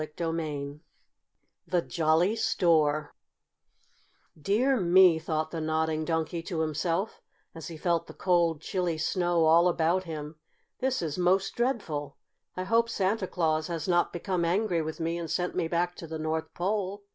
CHAPTER III THE JOLLY STORE "Dear me," thought the Nodding Donkey to himself, as he felt the cold, chilly snow all about him, "this is most dreadful! I hope Santa Claus has not become angry with me and sent me back to the North Pole.